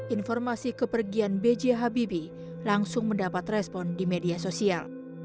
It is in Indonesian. informasi kepergian bghbb langsung mendapat respon di media sosial